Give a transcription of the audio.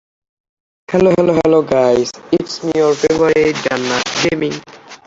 পাঞ্জাবি লোকসঙ্গীত ধারার সুর সংবলিত গানটি পার্টি গান হিসেবে বেশ জনপ্রিয়তা অর্জন করে।